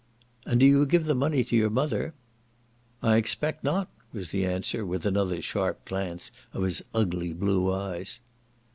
"And do you give the money to your mother?" "I expect not," was the answer, with another sharp glance of his ugly blue eyes.